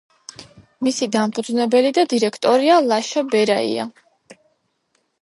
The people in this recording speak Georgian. მისი დამფუძნებელი და დირექტორია ლაშა ბერაია.